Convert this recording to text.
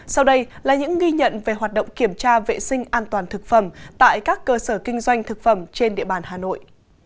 sau đây là những ghi nhận về hoạt động kiểm tra vệ sinh an toàn thực phẩm tại các cơ sở kinh doanh thực phẩm trên địa bàn hà nội